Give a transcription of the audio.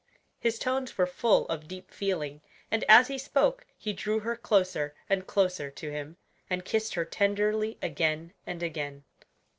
His tones were full of deep feeling, and as he spoke he drew her closer and closer to him and kissed her tenderly again and again.